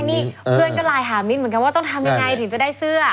นี่เพื่อนก็ไลน์หามิ้นเหมือนกันว่าต้องทำยังไงถึงจะได้เสื้อ